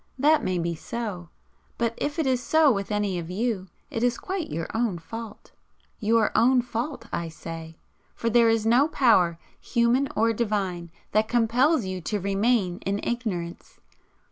That may be so, but if it is so with any of you, it is quite your own fault. Your own fault, I say, for there is no power, human or divine, that compels you to remain in ignorance.